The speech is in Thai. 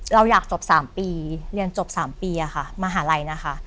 เราอยากจบ๓ปีเรียนจบ๓ปีค่ะมหาลัยนะคะ